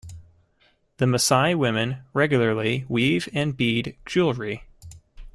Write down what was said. The Maasai women regularly weave and bead jewellery.